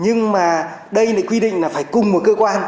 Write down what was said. nhưng mà đây quy định là phải cùng một cơ quan